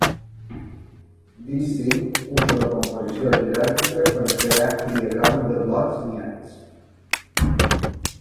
VisSim usa la composició jeràrquica per a crear diagrames de blocs niats.